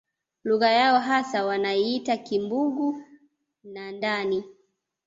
Lugha yao hasa wanaiita Kimbugu cha ndani